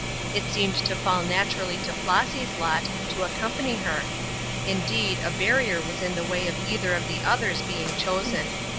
It seemed to fall naturally to Flossy's lot to accompany her; indeed, a barrier was in the way of either of the others being chosen.